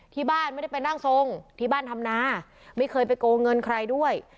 ที่บ้านไม่ได้เป็นร่างทรงที่บ้านธรรมนาไม่เคยไปโกงเงินใครด้วย